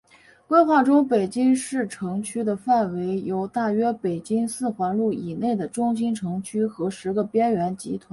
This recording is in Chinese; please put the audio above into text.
规划中北京市城区的范围由大约北京四环路以内的中心城区和十个边缘集团组成。